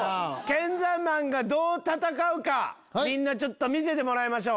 剣山マンがどう戦うかみんな見せてもらいましょう。